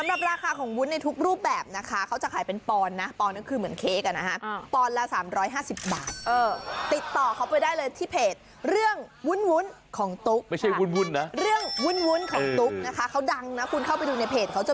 รับสตีนไก่ก็มานะพี่ท้อ